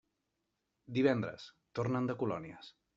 Divendres tornen de colònies.